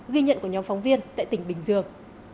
ghi nhận của nhóm phóng viên tại tỉnh bình dương